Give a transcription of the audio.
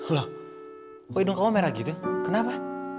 loh kok hidung kamu merah gitu kenapa